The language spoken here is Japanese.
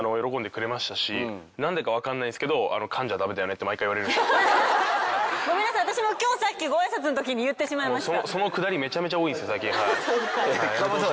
なんでかわかんないですけどごめんなさい私も今日さっきご挨拶のときに言ってしまいました。